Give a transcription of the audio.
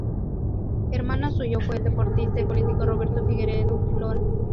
Hermano suyo fue el deportista y político Roberto Figueredo Lora.